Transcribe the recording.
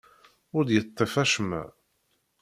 Ur d-yeṭṭif acemma.